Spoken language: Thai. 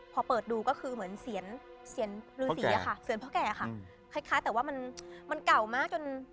พอเปิดดูก็คือเหมือนเสียงฤษีอะค่ะเสียงพ่อแก่ค่ะคล้ายแต่ว่ามันมันเก่ามากจน